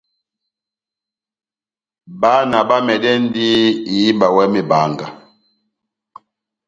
Bána bamɛdɛndi ihíba iwɛ mebanga.